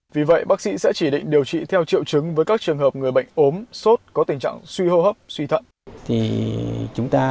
vì vậy bác sĩ sẽ chỉ định điều trị theo triệu chứng với các trường hợp người bệnh ốm sốt có tình trạng suy hô hấp suy thận